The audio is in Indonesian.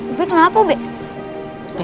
ube kenapa ube